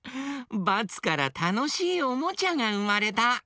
バツからたのしいおもちゃがうまれた！